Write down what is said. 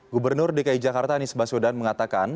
gubernur dki jakarta anies baswedan mengatakan